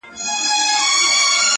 غریب سړی پر لاري تلم ودي ویشتمه-